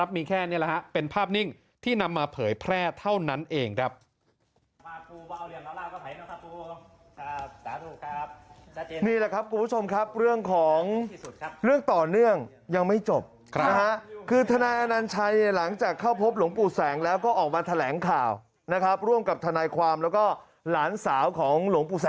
มีแค่นี้เป็นภาพนิ่งที่นำมาเผยแพร่เท่านั้นเองครับ